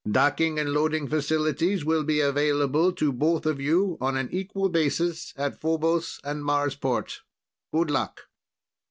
Docking and loading facilities will be available to both of you on an equal basis at Phobos and Marsport. Good luck."